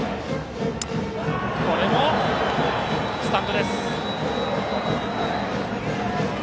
これもスタンドです。